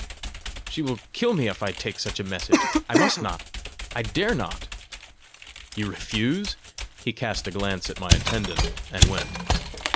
"She will kill me if I take such a message: I must not. I dare not." "You refuse?" He cast a glance at my attendant, and went.